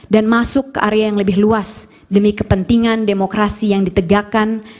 dan masuk ke area yang lebih luas demi kepentingan demokrasi yang ditegakkan